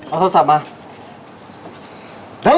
เอาโทรศัพท์มา